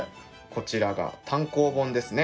こちらが単行本ですね。